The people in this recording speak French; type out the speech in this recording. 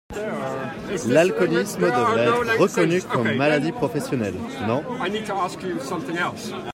L’alcoolisme devait être reconnu comme maladie professionnelle, non ?